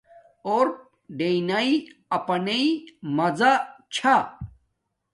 اݸرپ ڈݵئنݳئی اَپَنݵئی مزہ چھݳ.